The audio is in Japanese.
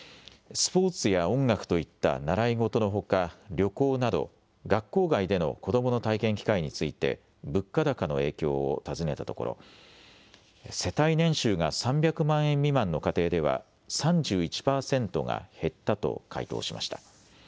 スポーツや音楽といった習い事のほか、旅行など、学校外での子どもの体験機会について物価高の影響を尋ねたところ、世帯年収が３００万円未満の家庭では、３１％が減ったと回答しました。